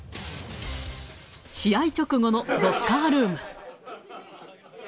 試合直後のロッカールーム。